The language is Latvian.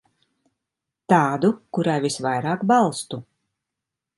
Tādu, kurai visvairāk balstu.